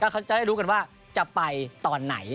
เขาจะได้รู้กันว่าจะไปตอนไหน